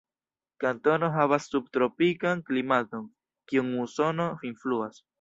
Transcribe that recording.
Kantono havas subtropikan klimaton, kiun musono influas.